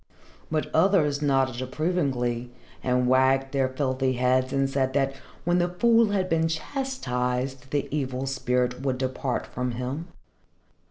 But others nodded approvingly and wagged their filthy heads and said that when the fool had been chastised the evil spirit would depart from him.